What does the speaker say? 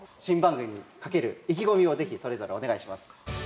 新番組にかける意気込みをぜひそれぞれお願いします。